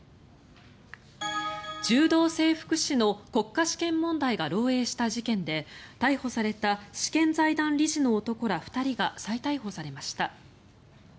柔道整復師の国家試験問題が漏えいした事件で逮捕された試験財団理事の男ら２人が再逮捕されました。